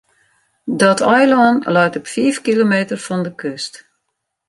Dat eilân leit op fiif kilometer fan de kust.